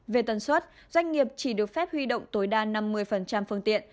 về tần suất doanh nghiệp chỉ được phép huy động tối đa năm mươi phương tiện